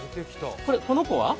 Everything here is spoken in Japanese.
この子は？